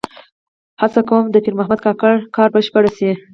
هڅه کوم د پیر محمد کاکړ کار بشپړ شي.